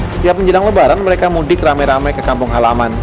setiap menjelang lebaran mereka mudik rame rame ke kampung halaman